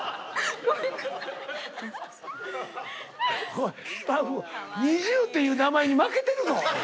おいスタッフ「ＮｉｚｉＵ」っていう名前に負けてるぞ！